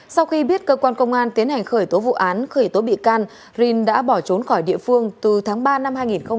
sau khi biết cơ quan công an tiến hành khởi tố vụ án khởi tố bị can rin đã bỏ trốn khỏi địa phương từ tháng ba năm hai nghìn hai mươi ba